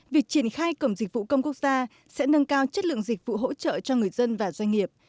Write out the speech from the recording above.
việc triển khai cổng dịch vụ công quốc gia sẽ nâng cao chất lượng dịch vụ hỗ trợ cho người dân và doanh nghiệp